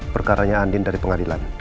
perkaranya andin dari pengadilan